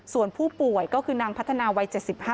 ส่วนผู้ป่วยก็คือนางพัฒนาวัย๗๕